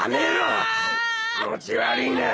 気持ち悪いな。